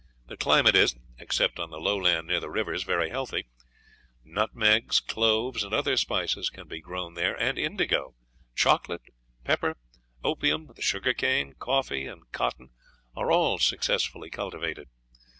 The climate is, except on the low land near the rivers, very healthy; nutmegs, cloves, and other spices can be grown there, and indigo, chocolate, pepper, opium, the sugarcane, coffee, and cotton, are all successfully cultivated.